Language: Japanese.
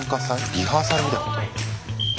リハーサルみたいなこと？